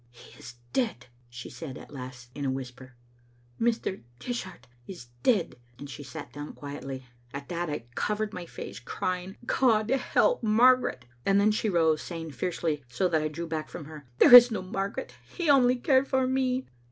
"He is dead," she said at last in a whisper. "Mr. Dishart is dead, " and she sat down quietly. At that I covered my face, crying, " God help Marga ret!" and then she rose, saying fiercely, so that I drew back from her, " There is no Margaret ; he only cared for me."